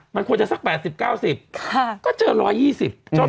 มันควรจะสัก๘๐๙๐บาทก็เจอ๑๒๐บาท